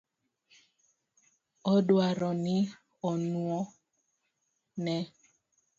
Odwaro ni onuo ne